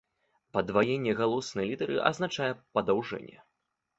Падваенне галоснай літары азначае падаўжэнне.